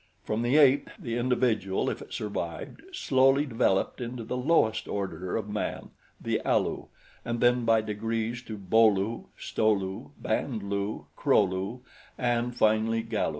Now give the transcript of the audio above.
From the ape the individual, if it survived, slowly developed into the lowest order of man the Alu and then by degrees to Bo lu, Sto lu, Band lu, Kro lu and finally Galu.